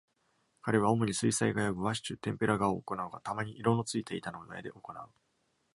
彼は主に水彩画やグワッシュ、テンペラ画を行うが、たまに色の付いた板の上で行う。